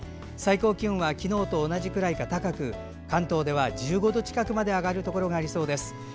最高気温は昨日と同じくらいか高く関東では１５度近くまで上がるところがありそうです。